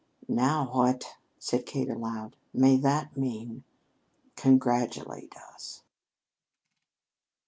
"Now what," said Kate aloud, "may that mean?" "Congratulate us!"